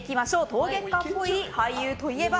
陶芸家っぽい俳優といえば？